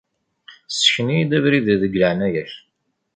Ssken-iyi-d abrid, deg leɛnaya-k.